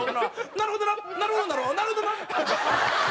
なるほどなるほどなるほどな！